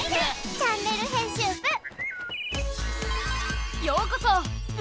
チャンネル編集部」へ！